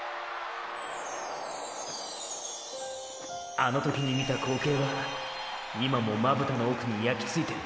あの時に見た光景は今もまぶたの奥に焼き付いてる。